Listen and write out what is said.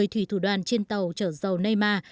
một mươi thủy thủ đoàn trên tàu trở dấu neymar